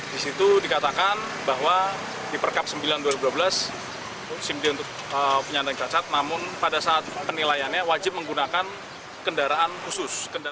di situ dikatakan bahwa di perkap sembilan dua ribu dua belas sim dia untuk penyandang cacat namun pada saat penilaiannya wajib menggunakan kendaraan khusus